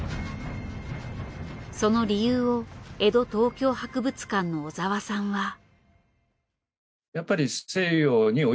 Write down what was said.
その理由を江戸東京博物館の小澤さんは。